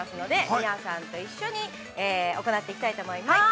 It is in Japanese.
皆さんと一緒に、行っていきたいと思います。